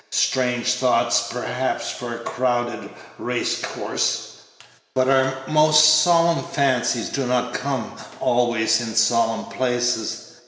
Strange thoughts, perhaps, for a crowded race course; but our most solemn fancies do not come always in solemn places.